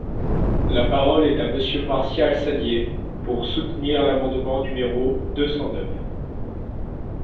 La parole est à Monsieur Martial Saddier, pour soutenir l’amendement numéro deux cent neuf.